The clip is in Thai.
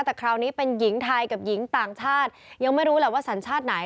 แต่คราวนี้เป็นหญิงไทยกับหญิงต่างชาติยังไม่รู้แหละว่าสัญชาติไหน